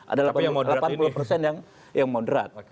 ada delapan puluh persen yang moderat